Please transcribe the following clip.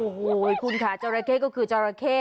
โอ้โหคุณค่ะจราเข้ก็คือจราเข้